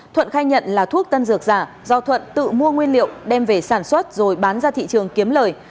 thuận khai nhận là thuốc tân dược giả do thuận tự mua nguyên liệu đem về sản xuất rồi bán ra thị trường kiếm lời